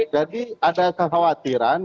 jadi ada kekhawatiran